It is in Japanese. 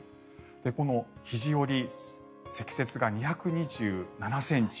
この肘折、積雪が２２７ｃｍ。